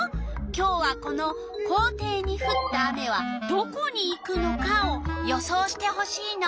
今日はこの「校庭にふった雨はどこにいくのか？」を予想してほしいの。